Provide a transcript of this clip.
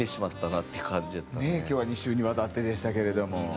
今日は２週にわたってでしたけれども。